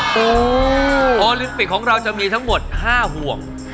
โอ้โหโอลิมปิกของเราจะมีทั้งหมด๕ห่วง